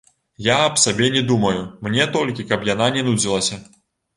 Я аб сабе не думаю, мне толькі, каб яна не нудзілася.